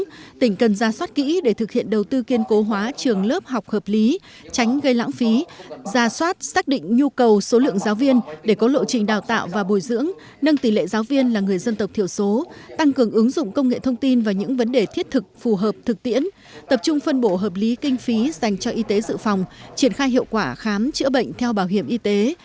phó thủ tướng lưu ý tỉnh cần ra soát kỹ để thực hiện đầu tư kiên cố hóa trường lớp học hợp lý tránh gây lãng phí ra soát xác định nhu cầu số lượng giáo viên để có lộ trình đào tạo và bồi dưỡng nâng tỷ lệ giáo viên là người dân tộc thiểu số tăng cường ứng dụng công nghệ thông tin và những vấn đề thiết thực phù hợp thực tiễn tập trung phân bộ hợp lý kinh phí dành cho y tế dự phòng triển khai hiệu quả khám chữa bệnh theo bảo hiểm y tế